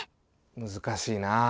むずかしいなあ。